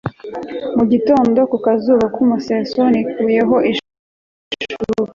Mugitondo ku kazuba kumuseso nikuyeho ishuka